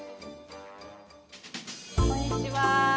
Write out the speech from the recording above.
こんにちは。